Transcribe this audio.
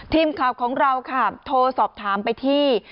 ทีมข่าวของเราค่ะโทรสอบถามไปที่